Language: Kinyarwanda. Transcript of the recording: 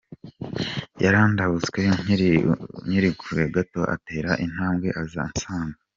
Yarandabutswe nkiri kure gato, atera intambwe aza ansanga.